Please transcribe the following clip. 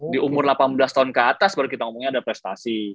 di umur delapan belas tahun ke atas baru kita ngomongnya ada prestasi